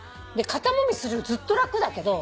肩もみするよりずっと楽だけど。